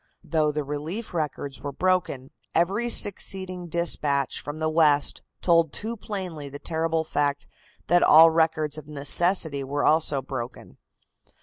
Though the relief records were broken, every succeeding dispatch from the West told too plainly the terrible fact that all records of necessity were also broken.